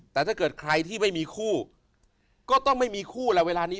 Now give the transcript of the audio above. แต่ถ้าเกิดใครที่ไม่มีคู่ก็ต้องไม่มีคู่แล้วเวลานี้